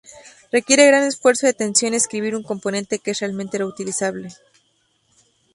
Requiere gran esfuerzo y atención escribir un componente que es realmente reutilizable.